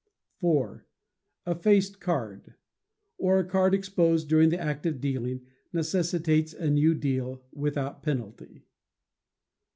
iv. A faced card, or a card exposed during the act of dealing necessitates a new deal, without penalty.